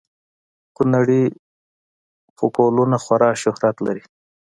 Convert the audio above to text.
کونړي فکولونه خورا شهرت لري